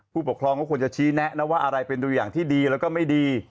ผู้ปกครองก็ควรจะชี้แนะว่าอะไรเป็นตัวอย่างที่ดีแล้วก็ไม่ดี